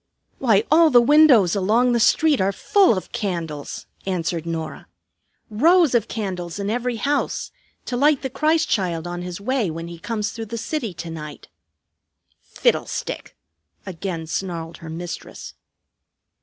"Why, all the windows along the street are full of candles," answered Norah; "rows of candles in every house, to light the Christ Child on his way when he comes through the city to night." "Fiddlestick!" again snarled her mistress.